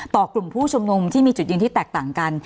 กลุ่มผู้ชุมนุมที่มีจุดยืนที่แตกต่างกัน